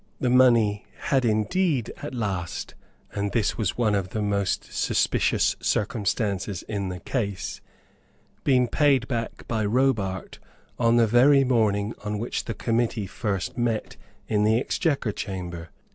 The money had indeed at last, and this was one of the most suspicious circumstances in the case, been paid back by Robart on the very morning on which the committee first met in the Exchequer Chamber.